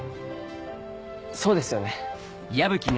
そうですよね。